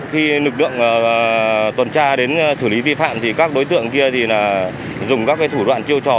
khi lực lượng tuần tra đến xử lý vi phạm thì các đối tượng kia dùng các thủ đoạn chiêu trò